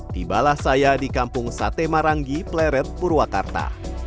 tibalah saya di kampung sate maranggi pleret purwakarta